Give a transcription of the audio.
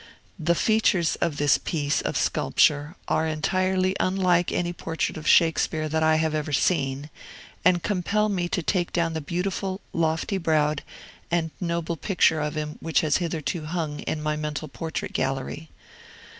The features of this piece of sculpture are entirely unlike any portrait of Shakespeare that I have ever seen, and compel me to take down the beautiful, lofty browed, and noble picture of him which has hitherto hung in my mental portrait gallery.